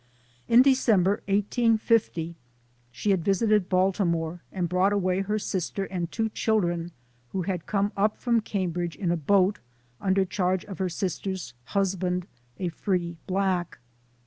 In December, 1850, she had visited Baltimore and LIFE OF HARRIET TUBMAK. 77 brought away her sister and two children, who had come up from Cambridge in a boat, under charge of her sister's husband, a free black.